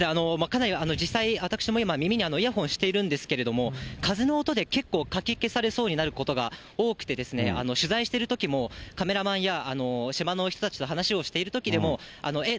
かなり実際、私も今、耳にイヤホンしてるんですけれども、風の音で結構、かき消されそうになることが多くて、取材しているときも、カメラマンや島の人たちと話をしているときでも、え？